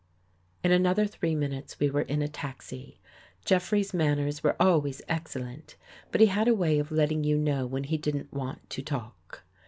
In another three minutes we were in a taxi. Jeff rey's manners were always excellent, but he had a way of letting you know when he didn't want to talk.